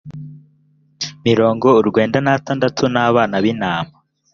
mirongo urwenda n atandatu n abana b intama